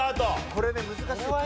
これね難しい。